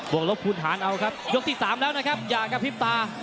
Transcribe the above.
วงลบคูณฐานเอาครับยกที่๓แล้วนะครับอย่ากระพริบตา